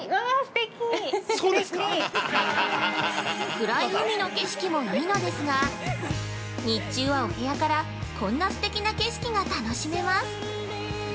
◆暗い海の景色もいいのですが日中はお部屋からこんな素敵な景色が楽しめます。